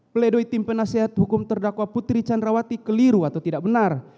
pledoi tim penasehat hukum terdakwa putri candrawati keliru atau tidak benar